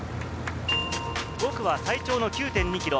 ５区は最長の９．２ｋｍ。